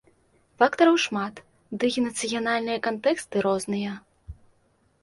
Фактараў шмат, дый нацыянальныя кантэксты розныя.